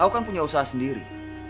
aku kan punya usaha sendiri